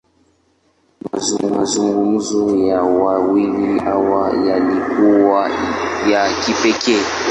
Mazungumzo ya wawili hawa, yalikuwa ya kipekee.